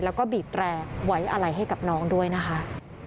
แล้วก็บีบแตรไว้อะไรให้กับน้องด้วยนะคะ